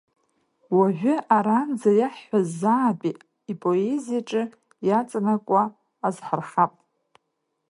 Уажәы аранӡа иаҳҳәаз заатәи ипоезиаҿы иаҵанакуа азҳархап.